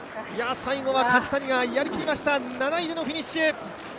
最後は梶谷がやりきりました、７位でのフィニッシュ。